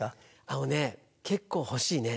あのね結構欲しいね。